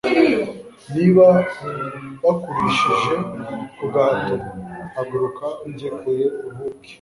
niba bakurishije ku gahato haguruka, ujye kure uruke.